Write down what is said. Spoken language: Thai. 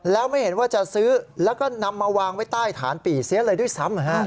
แล้วไม่เห็นว่าจะซื้อแล้วก็นำมาวางไว้ใต้ฐานปี่เสียเลยด้วยซ้ำ